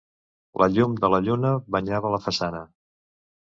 La llum de la lluna banyava la façana.